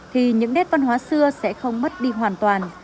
thì những nét văn hóa xưa sẽ không mất đi hoàn toàn